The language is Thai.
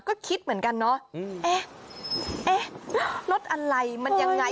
ก็คิดเหมือนกันรถอะไรมันยังไง